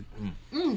うん。